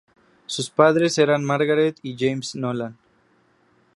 Sus padres eran Margaret y James Nolan.